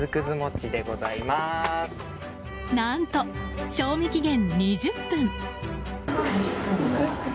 何と賞味期限２０分。